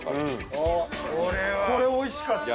これおいしかった。